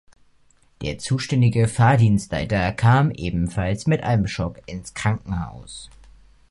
Der zuständige Fahrdienstleiter kam ebenfalls mit einem Schock ins Krankenhaus.